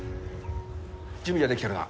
準備はできてるな。